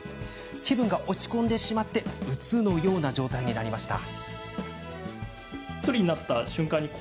気分が落ち込んでしまいうつのような状態になりました。